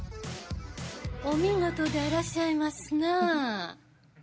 お見事であらしゃいますな。